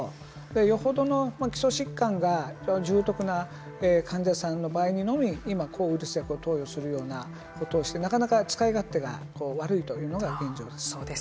よほどの基礎疾患が重篤な患者さんの場合にのみ今抗ウイルス薬を投与するようなことをしてなかなか使い勝手が悪いというのが現状です。